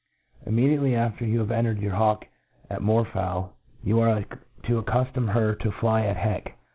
Immediately 2^fter you have entered your hawEi at raoor fowl, you are to aecuftom her to fly at heck.